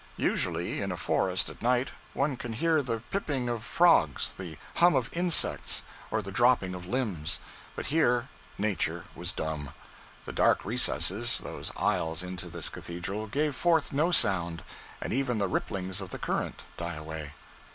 Usually in a forest at night one can hear the piping of frogs, the hum of insects, or the dropping of limbs; but here nature was dumb. The dark recesses, those aisles into this cathedral, gave forth no sound, and even the ripplings of the current die away.